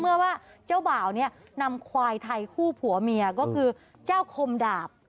ว่าเจ้าบ่าวเนี่ยนำควายไทยคู่ผัวเมียก็คือเจ้าคมดาบ